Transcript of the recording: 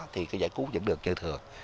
thì cái giải cứu vẫn được như thường